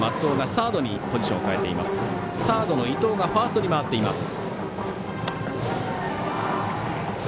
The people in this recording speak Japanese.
サードの伊藤がファーストに回っています。